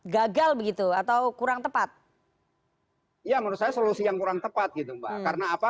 gagal begitu atau kurang tepat ya menurut saya solusi yang kurang tepat gitu mbak karena apa